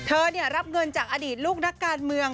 เธอเนี่ยรับเงินจากอดีตลูกนักการเมือง